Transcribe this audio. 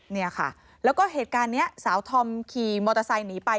เนี่ยค่ะแล้วก็เหตุการณ์นี้สาวธอมขี่มอเตอร์ไซค์หนีไป